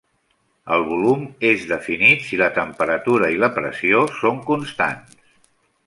El volum és definit si la temperatura i la pressió són constants.